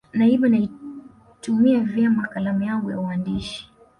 na hivyo naitumia vyema kalamu yangu ya uandishi